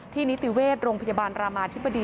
นิติเวชโรงพยาบาลรามาธิบดี